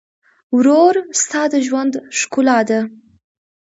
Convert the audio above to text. ورور ستا د ژوند ښکلا ده.